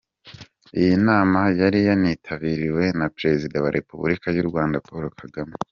Iyi nama yari yanitabiriwe na Perezida wa Repubulika y’u Rwanda Paul Kagame.